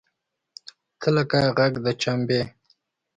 تۀ لکه غږ د چمبې !